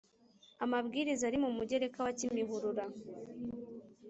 amabwiriza ari mu mugereka wa kimihurura